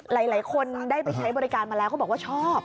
หลายคนได้ไปใช้บริการมาแล้วเขาบอกว่าชอบ